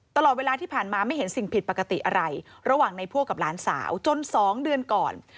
ตลอดเวลาที่ผ่านมาไม่เห็นสิ่งผิดปกติอะไรระหว่างในพวกกับหลานสาวจน๒เดือนก่อน